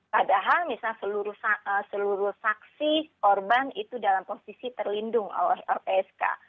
padahal misalnya seluruh saksi korban itu dalam posisi terlindung oleh lpsk